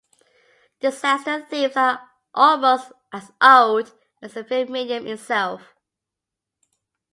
Disaster themes are almost as old as the film medium itself.